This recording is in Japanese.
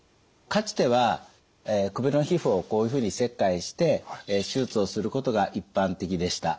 かつては首の皮膚をこういうふうに切開して手術をすることが一般的でした。